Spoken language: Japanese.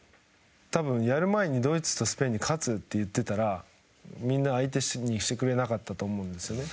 多分、やる前にドイツとスペインに勝つって言ったらみんな相手してくれなかったと思うんですよね。